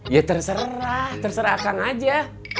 ya terserah terserah kang aja